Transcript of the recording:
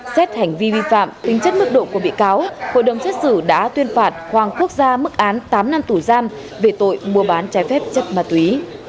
xét hành vi vi phạm tính chất mức độ của bị cáo hội đồng xét xử đã tuyên phạt hoàng quốc gia mức án tám năm tù giam về tội mua bán trái phép chất ma túy